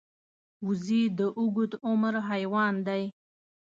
وزې د اوږد عمر حیوان دی